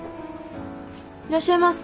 ・いらっしゃいませ。